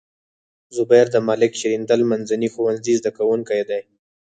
زبير د ملک شیریندل منځني ښوونځي زده کوونکی دی.